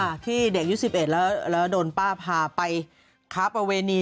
ใช่ที่เด็กยุค๑๑แล้วโดนป้าพาไปคราบประเวณี